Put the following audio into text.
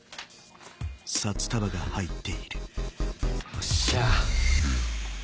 よっしゃ。